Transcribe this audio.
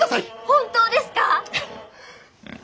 本当ですか？